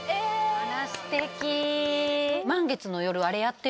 あらすてき！